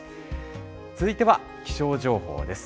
続いては気象情報です。